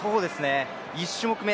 １種目目